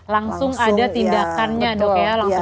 langsung ada tindakannya dok ya